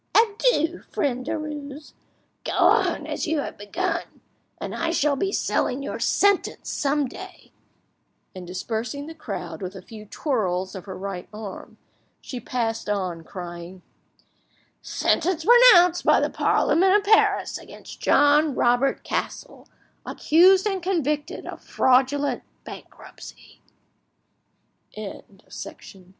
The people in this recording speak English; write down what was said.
Adieu, friend Derues; go on as you have begun, and I shall be selling your 'sentence' some day"; and dispersing the crowd with a few twirls of her right arm, she passed on, crying— "Sentence pronounced by the Parliament of Paris against John Robert Cassel, accused and convicted of Fraudulent Bankrupt